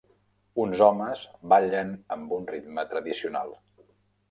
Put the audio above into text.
Uns homes ballen amb un ritme tradicional.